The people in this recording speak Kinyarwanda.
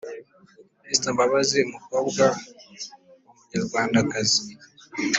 esther mbabazi umukobwa w’umunyarwandakazi